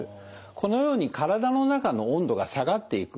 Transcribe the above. このように体の中の温度が下がっていく。